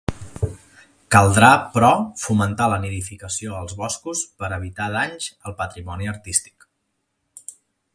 Caldrà, però, fomentar la nidificació als boscos per evitar danys al patrimoni artístic.